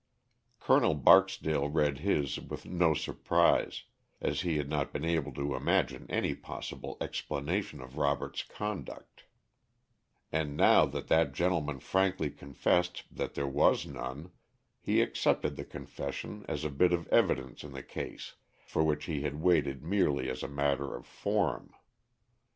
Col. Barksdale read his with no surprise, as he had not been able to imagine any possible explanation of Robert's conduct; and now that that gentleman frankly confessed that there was none, he accepted the confession as a bit of evidence in the case, for which he had waited merely as a matter of form.